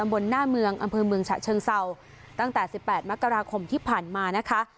บนหน้าเมืองอำเภอเมืองฉะเชิงเศร้าตั้งแต่สิบแปดมกราคมที่ผ่านมานะคะ